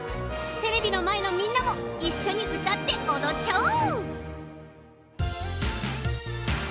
テレビのまえのみんなもいっしょにうたっておどっちゃおう！